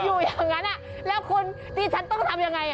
อยู่อย่างนั้นแล้วคุณที่ฉันต้องทำยังไง